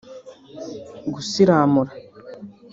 gusiramura